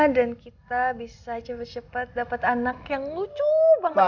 dan kita bisa cepet cepet dapet anak yang lucu banget